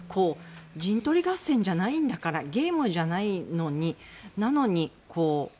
陣取り合戦じゃないんだからゲームじゃないのに、なのに。